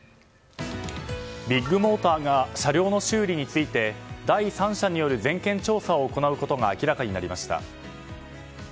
ビッグモーターが車両の修理について第三者による全件調査を行うことが明らかになりました。